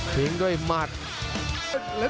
ขวาแยกออกมาอีกครั้งครับ